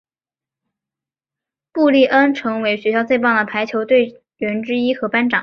布丽恩成为学校最棒的排球队员之一和班长。